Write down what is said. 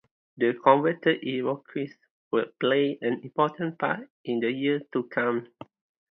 The converted Iroquois would play an important part in the years to come.